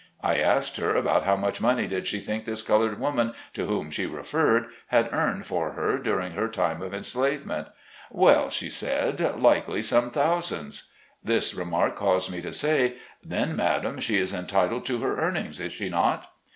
I asked her, about how much money did she think this colored woman to whom she referred, had earned for her during her time of enslavement. "Well," said she, "likely some thou sands." This remark caused me to say: "Then, madam, she is entitled to her earnings, is she not?"